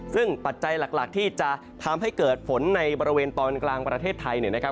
ซึ่งปัจจัยหลักที่จะทำให้เกิดฝนในบริเวณตอนกลางประเทศไทย